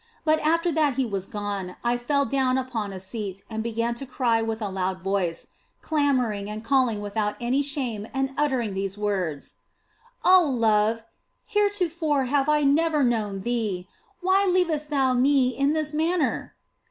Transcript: But after that He was gone I fell down upon a seat and began to cry with a loud voice, clamouring and calling without any shame and uttering these words, " Oh Love, hereto fore have I never known Thee, why leavest Thou me in this manner